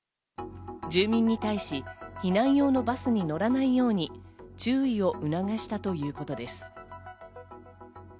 住民に対し避難用のバスに乗らないように注意を促したということです。